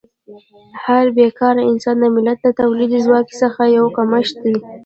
هر بېکاره انسان د ملت له تولیدي ځواک څخه یو کمښت دی.